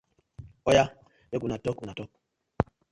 Oya mek una talk una talk.